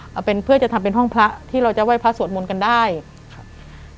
เอาเป็นเพื่อจะทำเป็นห้องพระที่เราจะไหว้พระสวดมนต์กันได้ครับ